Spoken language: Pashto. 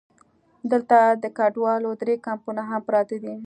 دلته د کډوالو درې کمپونه هم پراته دي.